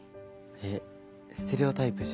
えっステレオタイプじゃん。